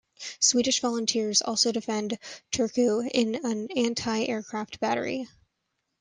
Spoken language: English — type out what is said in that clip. Swedish volunteers also defended Turku in an anti-aircraft battery.